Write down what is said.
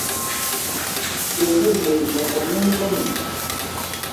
Krɛn yé nne, yankan 'n ɛ́n nkrânmɛn.